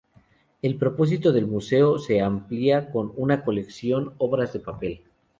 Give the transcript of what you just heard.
El propósito del museo se amplía con una colección "Obras en papel".